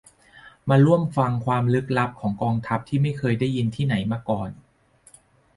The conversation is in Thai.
มาร่วมฟังความลึกลับของกองทัพที่ไม่เคยได้ยินที่ไหนมาก่อน